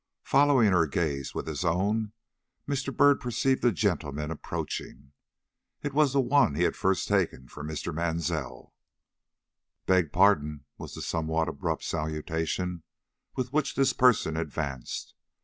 Following her gaze with his own, Mr. Byrd perceived a gentleman approaching. It was the one he had first taken for Mr. Mansell. "Beg pardon," was the somewhat abrupt salutation with which this person advanced.